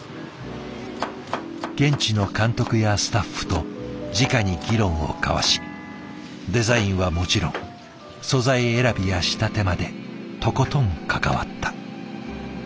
現地の監督やスタッフとじかに議論を交わしデザインはもちろん素材選びや仕立てまでとことん関わった。